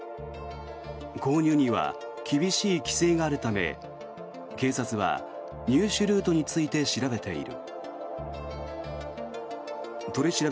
購入には厳しい規制があるため警察は入手ルートについて調べている。